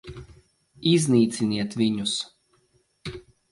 Iznīciniet viņus!